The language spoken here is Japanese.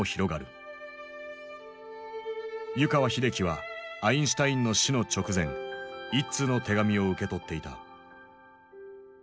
湯川秀樹はアインシュタインの死の直前一通の手紙を受け取っていた。